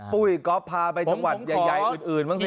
ปุ้ยก๊อฟพาไปจังหวัดใหญ่อื่นบ้างสิ